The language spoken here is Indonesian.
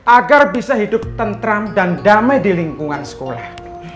agar bisa hidup tentram dan damai di lingkungan sekolah